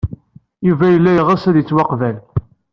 Yuba yella yeɣs ad yettwaqbel.